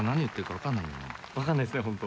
わかんないですね本当。